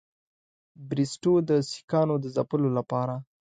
بریسټو د سیکهانو د ځپلو لپاره.